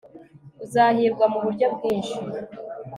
uzahirwa muburyo bwinshi